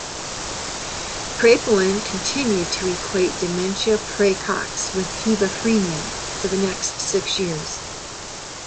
Kraepelin continued to equate dementia praecox with hebephrenia for the next six years.